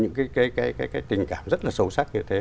những cái tình cảm rất là sâu sắc như thế